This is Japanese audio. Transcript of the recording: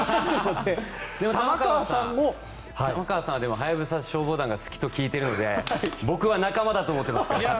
でも、玉川さんは「ハヤブサ消防団」が好きと聞いているので僕は仲間だと思ってます。